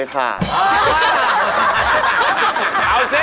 อ๋อไม่ว่าหรือ